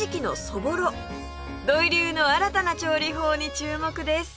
土井流の新たな調理法に注目です